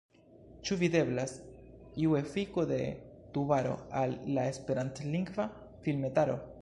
Ĉu videblas iu efiko de Tubaro al la esperantlingva filmetaro?